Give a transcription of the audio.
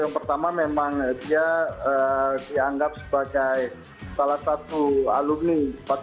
yang pertama memang dia dianggap sebagai salah satu alumni empat ribu satu ratus dua puluh dua